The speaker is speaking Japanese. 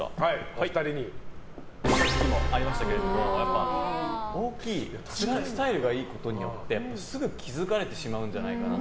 さっきもありましたけど大きいスタイルがいいことによってすぐ気付かれてしまうんじゃないかなって。